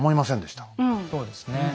そうですね。